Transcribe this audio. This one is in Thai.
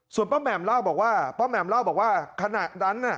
ส่วนป้ามแหม่มเล่าบอกว่าบอกว่าขณะนั้นนะ